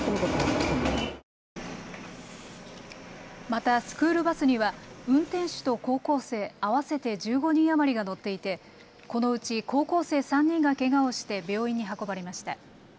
またスクールバスには運転手と高校生合わせて１５人余りが乗っていてこのうち高校生３人がけがをして病院に運ばれました。